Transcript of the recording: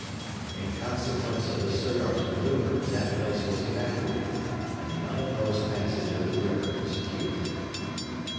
In consequence of the Sirdar's manœuvre that place was evacuated and the unopposed passage of the river secured.